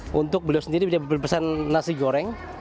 nah untuk beliau sendiri dia berpesan nasi goreng